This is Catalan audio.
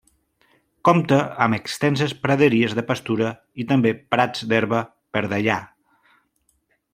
Compta amb extenses praderies de pastura i també prats d'herba per dallar.